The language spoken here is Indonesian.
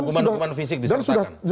hukuman hukuman fisik disertakan